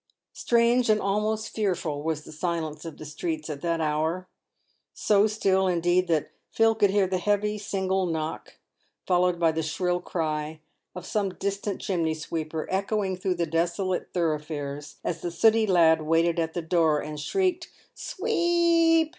Strange and almost fearful was the silence of the streets at that hour ; so still, indeed, that Phil could hear the heavy single knock, followed by the shrill cry of some distant chimney sweeper, echoing through the desolate thoroughfares as the sooty lad waited at the door and shrieked " Swe e eep